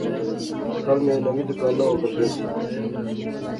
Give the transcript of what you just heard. کل میں نویں دکاناں اوپر گیساں